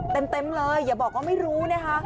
เต็มเลยอย่าบอกว่าไม่รู้นะคะ